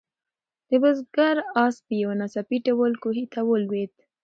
د بزګر آس په یو ناڅاپي ډول کوهي ته ولوېد.